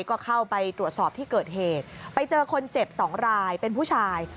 ก็เข้าไปตรวจสอบที่เกิดเหตุไปเจอคนเจ็บสองรายเป็นผู้ชาย